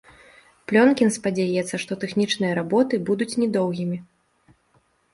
Плёнкін спадзяецца, што тэхнічныя работы будуць не доўгімі.